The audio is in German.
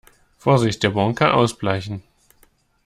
Vorsicht, der Bon kann ausbleichen!